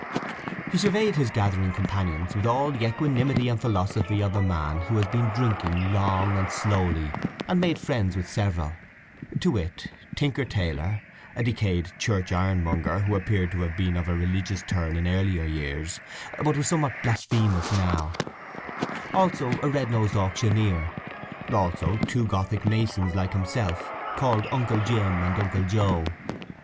He surveyed his gathering companions with all the equanimity and philosophy of a man who has been drinking long and slowly, and made friends with several: to wit, Tinker Taylor, a decayed church ironmonger who appeared to have been of a religious turn in earlier years, but was somewhat blasphemous now; also a red nosed auctioneer; also two Gothic masons like himself, called Uncle Jim and Uncle Joe.